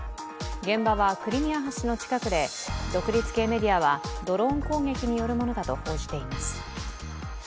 現場はクリミア橋の近くで独立系メディアはドローン攻撃によるものだと報じています。